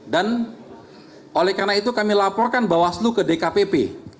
dan oleh karena itu kami laporkan bawaslu ke dkpp